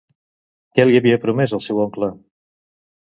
Què li havia promès el seu oncle?